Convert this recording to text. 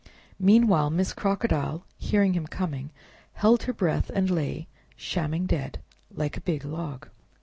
Meanwhile Miss Crocodile, hearing him coming, held her breath, and lay, shamming dead, like a big log.